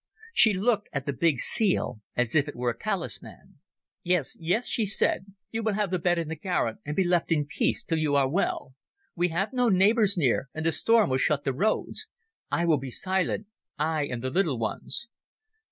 She looked at the big seal as if it were a talisman. "Yes, yes," she said, "you will have the bed in the garret and be left in peace till you are well. We have no neighbours near, and the storm will shut the roads. I will be silent, I and the little ones."